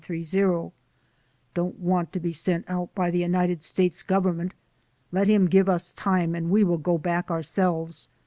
54860/930) : "Don't want to be sent out by the United States Govern ment. Let him give us time and we will go back ourselves.